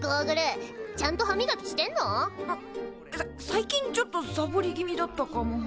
最近ちょっとサボり気味だったかも。